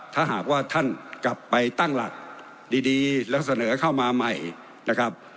ถ้าหากว่าท่านกลับไปตั้งหลักดีแล้วเสนอเข้ามาใหม่นะครับ